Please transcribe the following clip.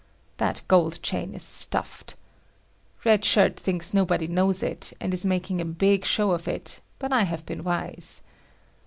That gold chain is stuffed. Red Shirt thinks nobody knows it and is making a big show of it, but I have been wise.